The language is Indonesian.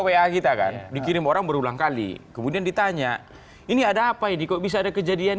wa kita kan dikirim orang berulang kali kemudian ditanya ini ada apa ini kok bisa ada kejadian